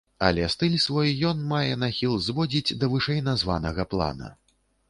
Але стыль свой ён мае нахіл зводзіць да вышэйназванага плана.